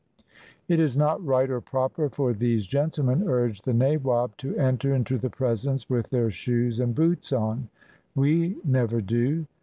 "It is not right or proper for these gentlemen," urged the nawab, "to enter into the presence with their shoes and boots on. We never do.